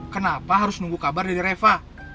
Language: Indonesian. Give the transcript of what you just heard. kenapa harus nunggu kabar dari reva